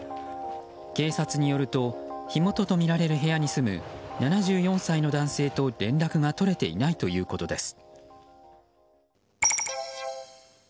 警察によると火元とみられる部屋に住む７４歳の男性と連絡が取れていないということです。